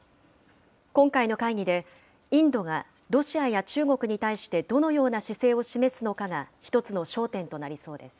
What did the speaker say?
今回の会議で、インドがロシアや中国に対してどのような姿勢を示すのかが一つの焦点となりそうです。